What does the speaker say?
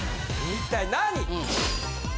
一体何？